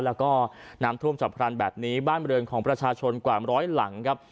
แล้วก็น้ำท่วมฉับพลันแบบนี้บ้านบริเวณของประชาชนกว่าร้อยหลังครับ